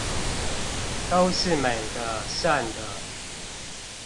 都是美的善的